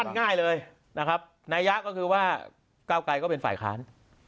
ง่ายเลยนะครับนายะก็คือว่าก้าวไกรก็เป็นฝ่ายค้าน